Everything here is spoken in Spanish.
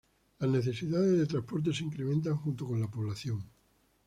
Las necesidades de transporte se incrementaban junto con la población.